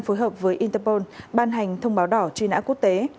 phối hợp với interpol ban hành thông báo đỏ truy nã quốc tế